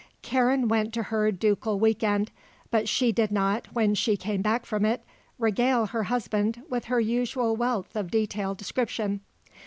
Karen went to her ducal week end; but she did not, when she came back from it, regale her husband with her usual wealth of detailed description.